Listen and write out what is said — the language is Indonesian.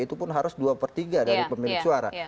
itu pun harus dua per tiga dari pemilik suara